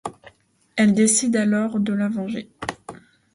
Elle décide alors de la venger.